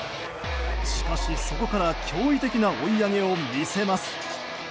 しかし、そこから驚異的な追い上げを見せます。